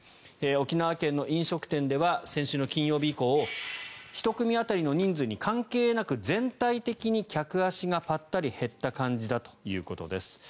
沖縄県の飲食店では先週の金曜日以降１組当たりの人数に関係なく全体的に客足がぱったり減った感じだということです。